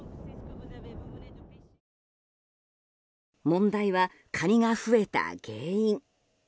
問題はカニが増えた原因。